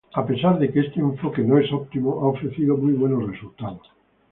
A pesar de que este enfoque no es óptimo, ha ofrecido muy buenos resultados.